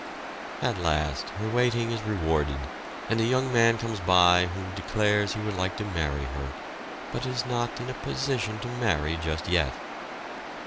At last her waiting is rewarded and a young man comes by who declares he would like to marry her, but is not in a position to marry just yet.